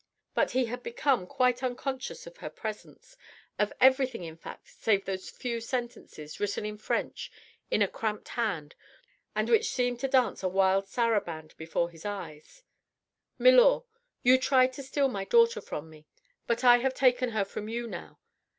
But he had become quite unconscious of her presence, of everything in fact save those few sentences, written in French, in a cramped hand, and which seemed to dance a wild saraband before his eyes: "MILOR, "You tried to steal my daughter from me, but I have taken her from you now.